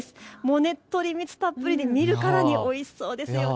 ねっとり、蜜たっぷりで見るからにおいしそうですよね。